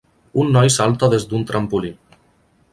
Un noi salta des d'un trampolí.